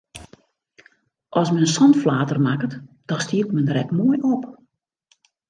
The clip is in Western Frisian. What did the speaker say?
As men sa'n flater makket, dan stiet men der ek moai op!